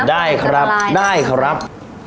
ได้ครับได้ครับ